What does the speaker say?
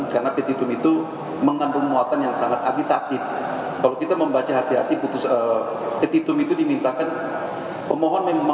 karena petitun ini sangat janggal dan tidak lazim